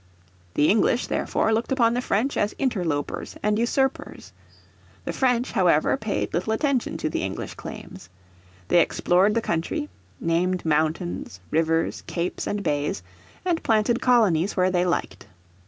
The English, therefore, looked upon the French as interlopers and usurpers. The French, however, paid little attention to the English claims. They explored the country, named mountains, rivers, capes, and bays, and planted colonies where they liked.